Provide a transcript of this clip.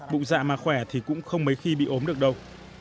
bụng dạ mà khỏe thì cũng không mấy khi bị ốm được đâu